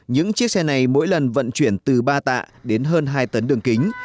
những chiếc xe này mỗi lần vận chuyển từ ba tạ đến hơn hai tấn đường kính